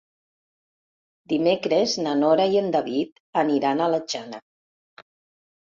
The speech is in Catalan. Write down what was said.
Dimecres na Nora i en David aniran a la Jana.